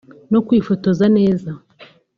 no kwifotoza neza